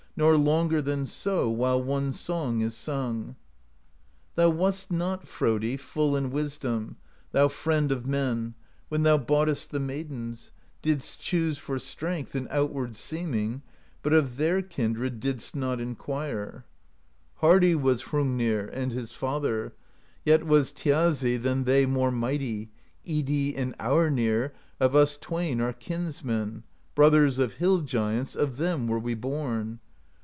Nor longer than so, While one song is sung.' 'Thou wast not, Frodi, P'ull in wisdom. Thou friend of men. When thou boughtest the maidens Didst choose for strength And outward seeming; But of their kindred Didst not inquire. THE POESY OF SKALDS 165 'Hardy was Hrungnir, And his father; Yet was Thjazi Than they more mighty: Idi and Aurnir Of us twain are kinsmen, — Brothers of Hill Giants, Of them were we born.